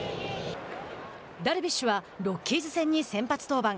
ダルビッシュはロッキーズ戦に先発登板。